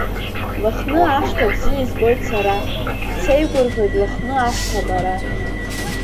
Лыхны ашҭа бзиа избоит сара, сеигәырӷьоит Лыхны ашҭа абара.